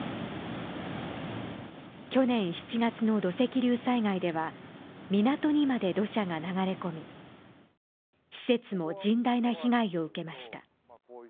去年７月の土石流災害では港にまで土砂が流れ込み施設も甚大な被害を受けました。